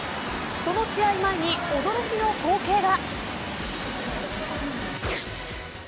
その試合前に驚きの光景が。